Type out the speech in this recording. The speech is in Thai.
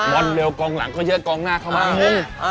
อนเร็วกองหลังก็เยอะกองหน้าเข้ามางง